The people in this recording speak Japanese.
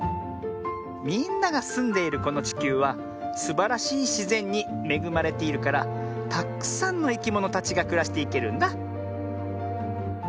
みんながすんでいるこのちきゅうはすばらしいしぜんにめぐまれているからたっくさんのいきものたちがくらしていけるんだ。